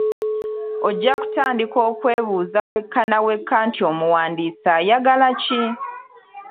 Ojja kutandika okwebuuza wekka na wekka nti omuwandiisi ayagala ki?